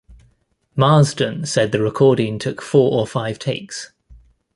Marsden said the recording took four or five takes.